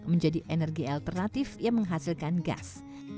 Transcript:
menjadi energi alternatif yang menghasilkan gas